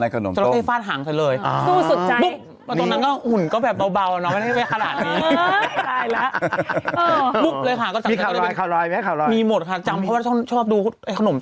ขอต้อนรับบิน